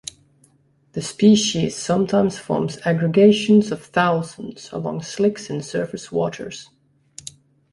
The species sometimes forms aggregations of thousands along slicks in surface waters.